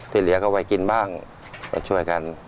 ที่เหลือเขาไว้กินบ้างช่วยกัน